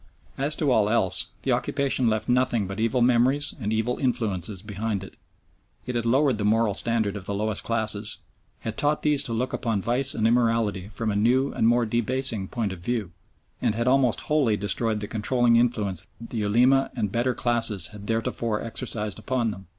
As to all else, the occupation left nothing but evil memories and evil influences behind it. It had lowered the moral standard of the lowest classes, had taught these to look upon vice and immorality from a new and more debasing point of view, and had almost wholly destroyed the controlling influence the Ulema and better classes had theretofore exercised upon them.